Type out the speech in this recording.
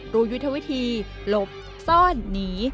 ยุทธวิธีหลบซ่อนหนี